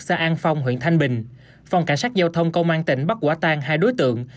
xã an phong huyện thanh bình phòng cảnh sát giao thông công an tỉnh bắt quả tan hai đối tượng